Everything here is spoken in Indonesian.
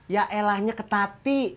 ya elahnya ke tati